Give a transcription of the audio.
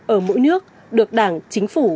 ở mỗi nước được đảng chính phủ